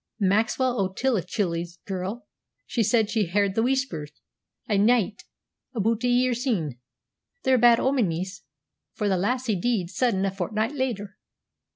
"Maxwell o'Tullichuil's girl. She said she h'ard the Whispers ae nicht aboot a year syne. They're a bad omen, miss, for the lassie deed sudden a fortnicht later."